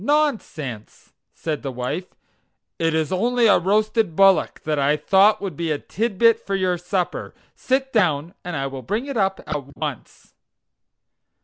"Nonsense!" said the wife, "it is only a roasted bullock that I thought would be a titbit for your supper; sit down and I will bring it up at once.